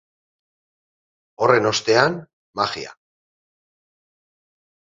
Horren ostean, magia.